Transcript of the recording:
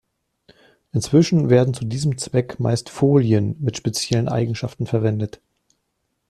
Inzwischen werden zu diesem Zweck meist Folien mit speziellen Eigenschaften verwendet.